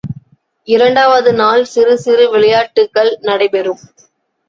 இரண்டாவது நாள் சிறு சிறு விளையாட்டுக்கள் நடைபெறும்.